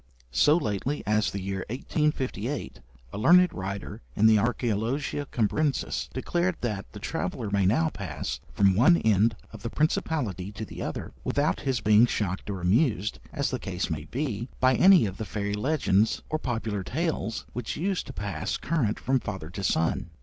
So lately as the year 1858, a learned writer in the 'Archæologia Cambrensis' declared that 'the traveller may now pass from one end of the Principality to the other, without his being shocked or amused, as the case may be, by any of the fairy legends or popular tales which used to pass current from father to son.'